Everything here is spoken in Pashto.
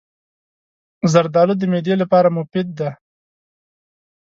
زردالو د معدې لپاره مفید دی.